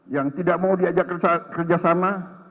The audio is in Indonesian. yang tidak mau diajak kerjasama